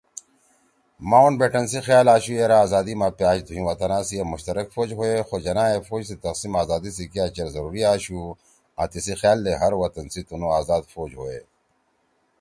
ماونٹ بیٹن سی خیال آشُو یرأ آزادی ما پأش دُھوئں وطنَا سی اے مشترک فوج ہوئے خو جناح ئے فوج سی تقسیم آزادی سی کیا چیر ضروری آشُو آں تیِسی خیال دے ہر وطن سی تنُو آزاد فوج ہوئے